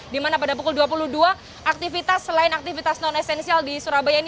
dimana pada pukul dua puluh dua aktivitas selain aktivitas non esensial di surabaya ini